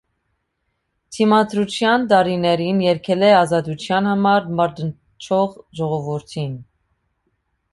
Դիմադրության տարիներին երգել է ազատության համար մարտնչող ժողովրդին։